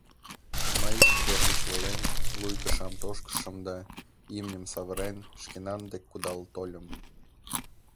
Мый, тер гыч волен, луй кышам тошкышым да, имньым савырен, шкенан дек кудал тольым.